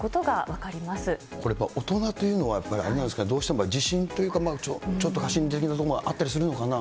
これ、大人というのは、やっぱりあれなんですか、どうしても自信というか、ちょっと過信的なところもあったりするのかな。